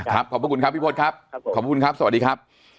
ขอบพระคุณครับพี่พศครับขอบคุณครับสวัสดีครับ